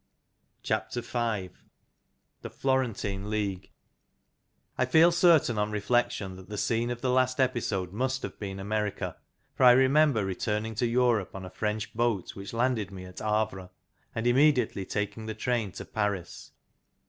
C V THE FLORENTINE LEAGUE I FEEL certain on reflection that the scene of the last episode must have been America, for I remember returning to Europe on a French boat which landed me at Havre, and immediately taking the train to Paris.